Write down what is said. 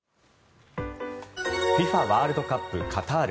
ＦＩＦＡワールドカップカタール。